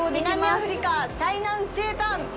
南アフリカ、最南西端。